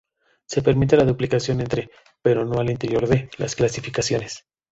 Se permite la duplicación entre, pero no al interior de, las clasificaciones.